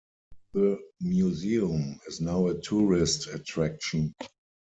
The museum is now a tourist attraction.